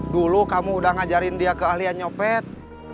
dulu kamu udah ngajarin dia ke ahliah nyopet